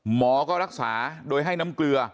หมอก็รักษาโดยให้น้ำเกลือ